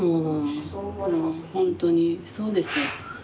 本当にそうですよ。